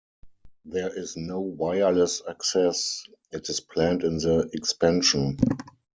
There is no wireless access; it is planned in the expansion.